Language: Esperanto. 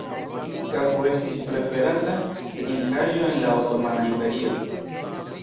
Kafo estis preferata trinkaĵo en la otomana imperio.